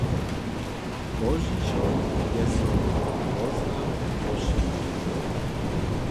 Pozdźišo je so woznam rozšěrił.